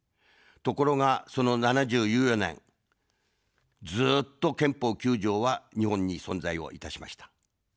ところが、その７０有余年、ずっと憲法９条は日本に存在をいたしました。